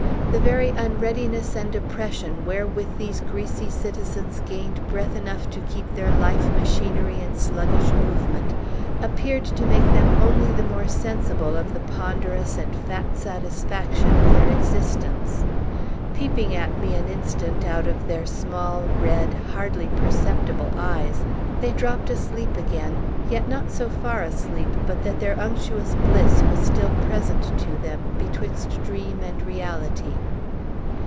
The very unreadiness and oppression wherewith these greasy citizens gained breath enough to keep their life machinery in sluggish movement appeared to make them only the more sensible of the ponderous and fat satisfaction of their existence. Peeping at me an instant out of their small, red, hardly perceptible eyes, they dropt asleep again; yet not so far asleep but that their unctuous bliss was still present to them, betwixt dream and reality.